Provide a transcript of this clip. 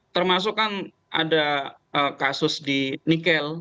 termasuk kan ada kasus di nikel